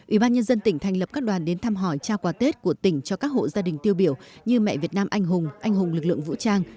ủy ban nhân dân tỉnh thành lập các đoàn đến thăm hỏi trao quà tết của tỉnh cho các hộ gia đình tiêu biểu như mẹ việt nam anh hùng anh hùng lực lượng vũ trang